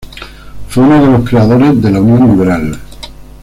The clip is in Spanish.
Fue uno de los creadores de la Unión Liberal.